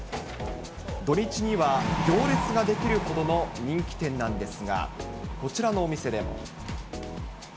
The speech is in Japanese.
土日には行列が出来るほどの人気店なんですが、こちらのお店でも。